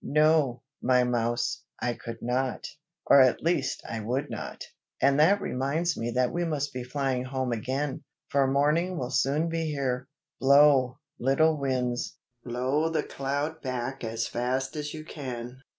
"No, my mouse, I could not, or at least I would not. And that reminds me that we must be flying home again, for morning will soon be here. Blow, little Winds, blow the cloud back as fast as you can."